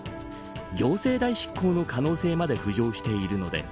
行政代執行の可能性まで浮上しているのです。